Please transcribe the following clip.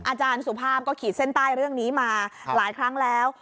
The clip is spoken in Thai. อาจารย์สุภาพก็ขีดเส้นใต้เรื่องนี้มาหลายครั้งแล้ว